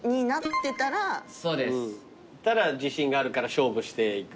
そうです。たら自信があるから勝負していく。